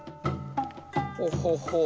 ほほほう